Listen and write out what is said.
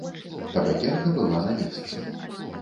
Табакерка была на месцы.